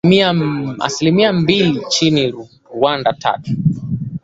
asilimia mbili nchini Rwanda tatu